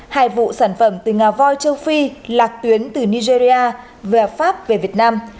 hai vụ sản phẩm từ ngà voi châu phi lạc tuyến từ nigeria về pháp về việt nam